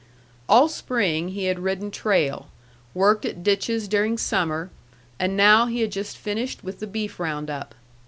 All spring he had ridden trail, worked at ditches during summer, and now he had just finished with the beef round up.